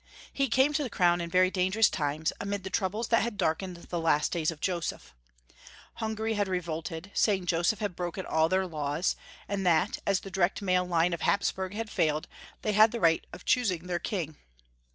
He came to the crown in very dangerous times, amid the troubles that had darkened the last days of Joseph. Hungary had revolted, saying Joseph had broken all their laws, and that, as the direct male line of Hapsburg had failed, they had the right of choos ing their King.